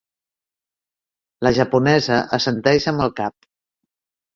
La japonesa assenteix amb el cap.